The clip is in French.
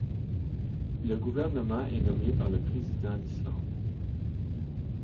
Le gouvernement est nommé par le Président d'Islande.